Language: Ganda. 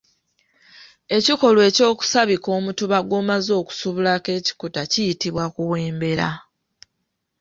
Ekikolwa eky’okusabika omutuba gw’omaze okusubulako ekikuta kiyitibwa kuwembera.